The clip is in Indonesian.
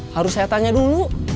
harus saya tanya dulu